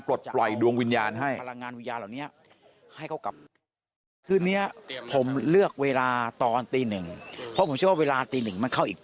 ปลดปล่อยดวงวิญญาณให้